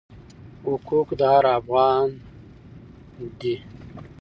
حقوق د هر افغان دی.